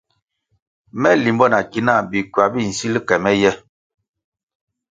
Me limbo na ki náh bikywa bi nsil ke me ye.